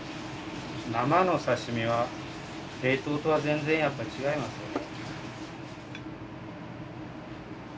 生の刺身は冷凍とは全然やっぱり違いますよね。